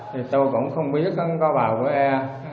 thì tôi cũng không biết có bào của ai